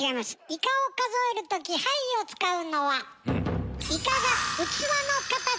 イカを数える時杯を使うのは。